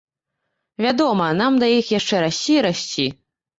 Вядома, нам да іх яшчэ расці і расці.